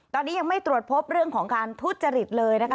ตอนนี้ยังไม่ตรวจพบเรื่องของการทุจริตเลยนะคะ